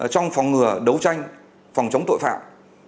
trong phòng ngừa đấu tranh phòng chống tội phạm